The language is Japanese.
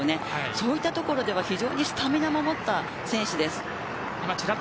そういうところでは非常にスタミナもある選手です。